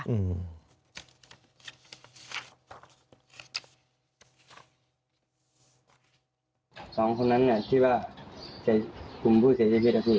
สองคนนั้นน่ะคิดว่ากลุ่มผู้เสียชีวิตนะพี่